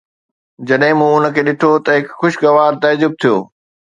جڏهن مون ان کي ڏٺو ته هڪ خوشگوار تعجب ٿيو